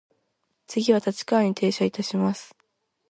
次は立川に停車いたします。